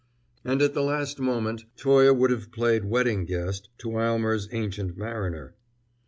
And at the last moment Toye would have played Wedding Guest to Aylmer's Ancient Mariner.